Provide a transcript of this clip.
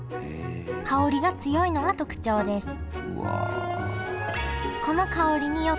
香りが強いのが特徴ですうわ！